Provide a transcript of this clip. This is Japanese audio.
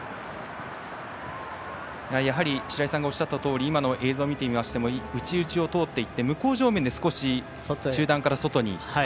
やはり、白井さんがおっしゃったように今の映像を見てみましても内、内を通っていって向正面で少し中団から外に。